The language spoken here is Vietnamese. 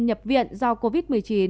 nhập viện do covid một mươi chín